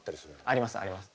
ありますあります。